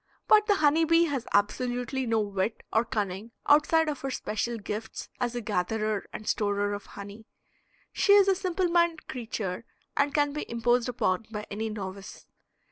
But the honey bee has absolutely no wit or cunning outside of her special gifts as a gatherer and storer of honey. She is a simple minded creature, and can be imposed upon by any novice.